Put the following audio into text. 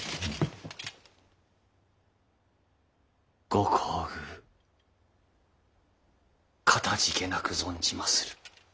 ご厚遇かたじけなく存じまする。